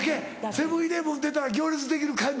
セブン−イレブン出たら行列できる感じ？